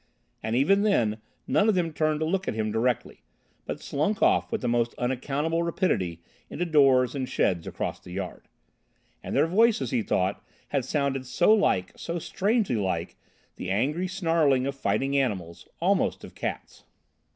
And even then none of them turned to look at him directly, but slunk off with the most unaccountable rapidity into doors and sheds across the yard. And their voices, he thought, had sounded so like, so strangely like, the angry snarling of fighting animals, almost of cats.